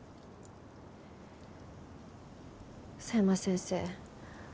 佐山先生